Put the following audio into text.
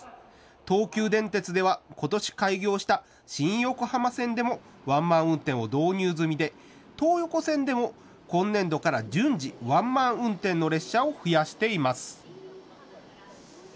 東急電鉄ではことし開業した新横浜線でもワンマン運転を導入済みで東横線でも今年度から順次、ワンマン運転の列車を増やしています。